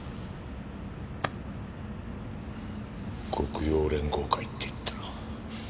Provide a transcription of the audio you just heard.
黒洋連合会って言ったな。